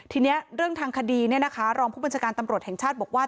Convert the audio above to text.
ทีนี้เรื่องทางคดีรองผู้บัญชาการตำรวจแห่งชาติบอกว่า